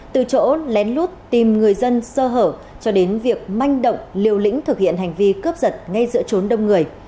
từ chỗ lén lút tìm người dân sơ hở cho đến việc manh động liều lĩnh thực hiện hành vi cướp giật ngay giữa trốn đông người